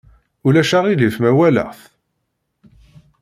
Ulac aɣilif ma walaɣ-t?